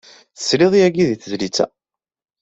Tesliḍ yagi i tezlit-a.